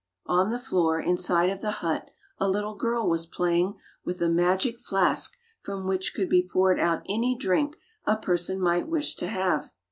On the fioor, inside of the hut, a little girl was playing with a magic fiask from which could be poured out any drink a person might wish to have.